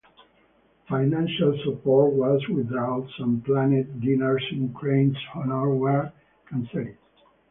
Financial support was withdrawn and planned dinners in Crane's honor were cancelled.